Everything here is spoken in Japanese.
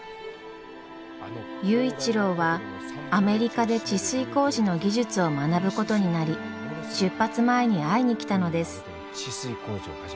佑一郎はアメリカで治水工事の技術を学ぶことになり出発前に会いに来たのです。